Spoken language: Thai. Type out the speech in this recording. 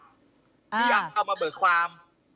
ที่อยากเอามาเบิกความ